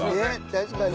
確かに。